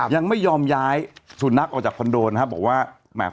ยังไม่ยอมย้ายสุนัขออกจากคอนโดนะครับบอกว่าแหม